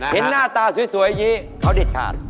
หน้าตาสวยอย่างนี้เขาเด็ดขาด